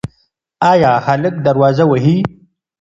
ایا هلک دروازه وهي؟